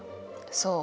そう。